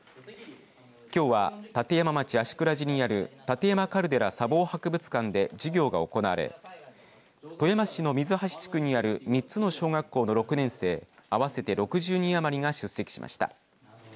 きょうは立山町芦峅寺にある立山カルデラ砂防博物館で授業が行われ富山市の水橋地区にある３つの小学校の６年生合わせて６０人余りが出席しました。